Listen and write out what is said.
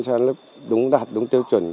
cho đúng đạt đúng tiêu chuẩn